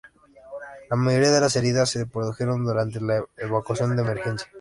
La mayoría de las heridas se produjeron durante la evacuación de emergencia.